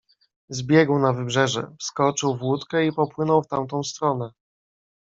"Zbiegł na wybrzeże, wskoczył w łódkę i popłynął w tamtą stronę."